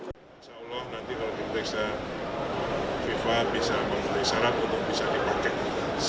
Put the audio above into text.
insya allah nanti kalau kita bisa fifa bisa memenuhi standar untuk bisa dipakai